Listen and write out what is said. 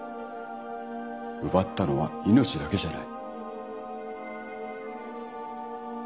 奪ったのは命だけじゃない。